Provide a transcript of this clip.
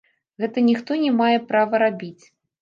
Гэта ніхто не мае права рабіць!